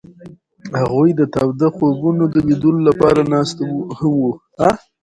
هغوی د تاوده خوبونو د لیدلو لپاره ناست هم وو.